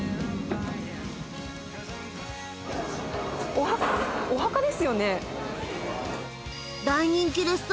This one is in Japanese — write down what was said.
お墓お墓ですよね？